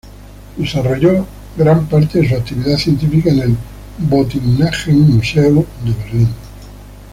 Desarrolló gran parte de su actividad científica en el Botanischen Museum Berlin.